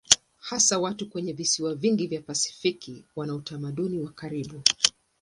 Hasa watu kwenye visiwa vingi vya Pasifiki wana utamaduni wa karibu.